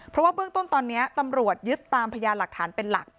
เพราะว่าเบื้องต้นตอนนี้ตำรวจยึดตามพยานหลักฐานเป็นหลัก